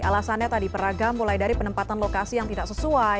alasannya tadi peragam mulai dari penempatan lokasi yang tidak sesuai